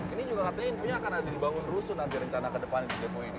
ini juga artinya ini akan ada dibangun rusun nanti rencana kedepan depo ini